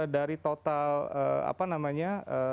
dari total apa namanya